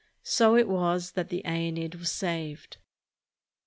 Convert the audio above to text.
So it was that the "^Eneid" was saved.